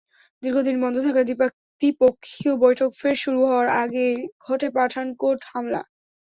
দীর্ঘদিন বন্ধ থাকা দ্বিপক্ষীয় বৈঠক ফের শুরু হওয়ার আগেই ঘটে পাঠানকোট হামলা।